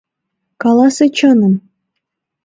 Каласе чыным!